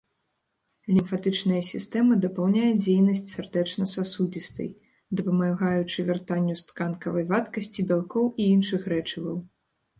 Лімфатычная сістэма дапаўняе дзейнасць сардэчна-сасудзістай, дапамагаючы вяртанню з тканкавай вадкасці бялкоў і іншых рэчываў.